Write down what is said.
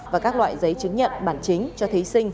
và các loại giấy chứng nhận bản chính cho thí sinh